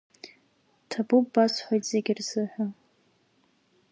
Ҭабуп басҳәоит зегьы рзыҳәа…